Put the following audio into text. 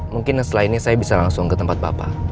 mungkin setelah ini saya bisa langsung ke tempat bapak